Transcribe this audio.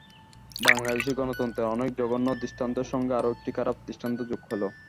বাংলাদেশি গণতন্ত্রের অনেক জঘন্য দৃষ্টান্তের সঙ্গে আরও একটি খারাপ দৃষ্টান্ত যোগ হলো।